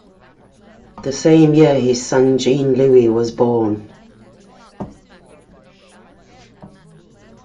This same year his son Jean-Louis was born.